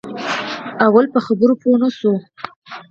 لومړی په خبره پوی نه شو.